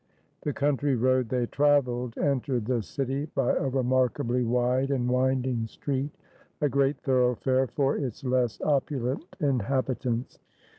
The country road they traveled entered the city by a remarkably wide and winding street, a great thoroughfare for its less opulent inhabitants.